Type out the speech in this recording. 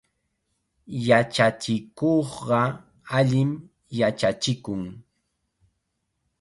Yachachikuqqa allim yachachikun.